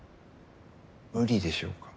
無理でしょうか？